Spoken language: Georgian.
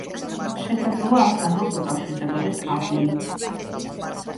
შესაძლოა ამ სახელს უკავშირდებოდეს „აგული“.